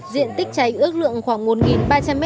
diện tích cháy ước lượng khoảng một ba trăm linh m hai